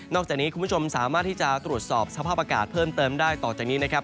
จากนี้คุณผู้ชมสามารถที่จะตรวจสอบสภาพอากาศเพิ่มเติมได้ต่อจากนี้นะครับ